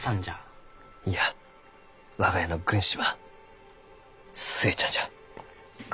いや我が家の軍師は寿恵ちゃんじゃ。